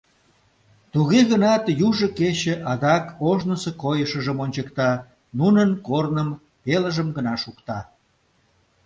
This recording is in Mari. Туге гынат южо кече адак ожнысо койышыжым ончыкта, нунын корным пелыжым гына шукта.